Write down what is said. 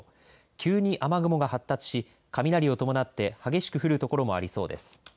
急に雨雲が発達し雷を伴って激しく降る所もありそうです。